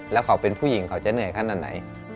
แล้วเขาเป็นผู้หญิงเขาจะเหนื่อยขนาดไหน